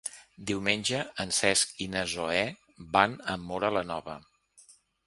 Diumenge en Cesc i na Zoè van a Móra la Nova.